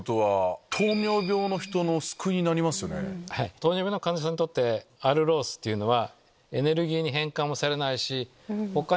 糖尿病の患者さんにとってアルロースというのは。